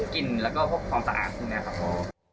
กลิ่นและพวกความสะอาดขึ้นแน่ครับ